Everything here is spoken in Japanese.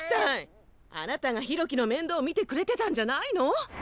あなたが弘毅のめんどうを見てくれてたんじゃないの？